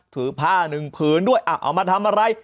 ถือผ้าหนึ่งผืนด้วยเอามาทำอะไร